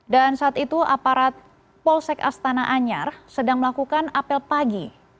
dan saat itu aparat polsek astana anyar sedang melakukan apel pagi